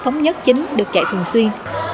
thống nhất chính được chạy thường xuyên